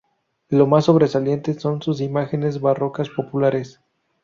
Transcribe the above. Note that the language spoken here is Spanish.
Lo más sobresaliente son sus imágenes barrocas populares.